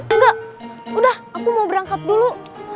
enggak udah aku mau berangkat dulu